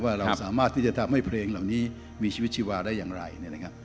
เราสามารถที่จะทำให้เพลงเหล่านี้มีชีวิตชีวาได้อย่างไรนะครับ